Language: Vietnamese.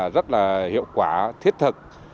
rất là hiệu quả thiết thực